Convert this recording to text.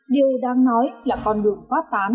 điều đang nói là con đường phát tán